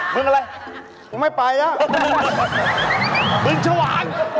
มึงอะไรไม่ไปอ่ะ